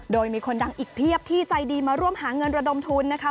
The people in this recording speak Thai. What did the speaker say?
โดยมีคนดังอีกเพียบที่ใจดีมาร่วมหาเงินระดมทุนนะคะ